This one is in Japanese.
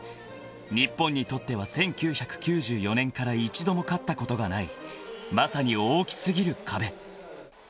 ［日本にとっては１９９４年から一度も勝ったことがないまさに大き過ぎる壁］